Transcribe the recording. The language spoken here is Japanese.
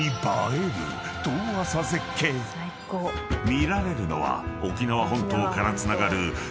［見られるのは沖縄本島からつながる人口